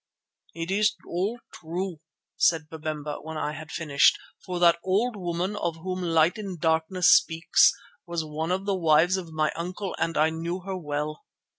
"It is all true," said Babemba when I had finished, "for that old woman of whom Light in the Darkness speaks, was one of the wives of my uncle and I knew her well.